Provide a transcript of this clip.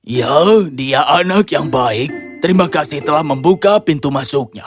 ya dia anak yang baik terima kasih telah membuka pintu masuknya